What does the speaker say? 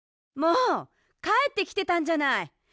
もうかえってきてたんじゃない！